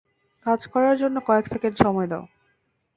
কাজ করার জন্য কয়েক সেকেন্ড সময় দাও।